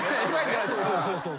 そうそうそうそう。